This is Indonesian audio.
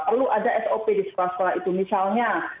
perlu ada sop di sekolah sekolah itu misalnya